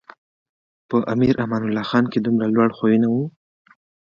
په امیر امان الله خان کې دومره لوړ خویونه و.